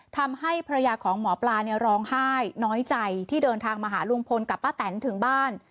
ทำให้ภรรยาของหมอปลาเนี่ยร้องไห้น้อยใจที่เดินทางมาหาลุงพลกับป้าแตนถึงบ้าน